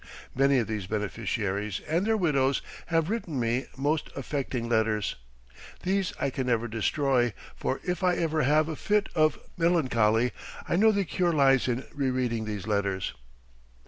Many of these beneficiaries and their widows have written me most affecting letters. These I can never destroy, for if I ever have a fit of melancholy, I know the cure lies in re reading these letters.